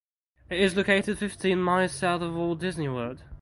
It is located fifteen miles south of Walt Disney World.